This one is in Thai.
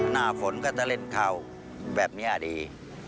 หน้าฝนก็จะเล่นข่าวแบบนี้ดี